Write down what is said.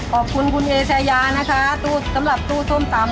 ขอบคุณคุณเอชายานะคะตู้สำหรับตู้ส้มตำ